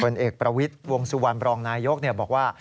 เอกประวิทย์วงสุวรรณบรองนายกบอกว่า